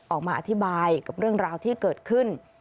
ออกมาอธิบายกับเรื่องราวที่เกิดขึ้น